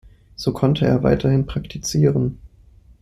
So konnte er weiterhin praktizieren.